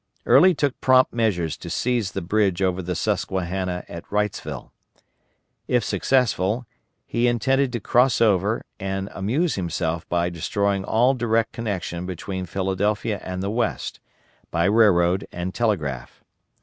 Early took prompt measures to seize the bridge over the Susquehanna at Wrightsville. If successful, he intended to cross over and amuse himself by destroying all direct connection between Philadelphia and the West, by railroad and telegraph.